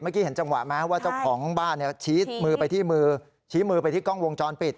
เห็นจังหวะไหมว่าเจ้าของบ้านชี้มือไปที่มือชี้มือไปที่กล้องวงจรปิด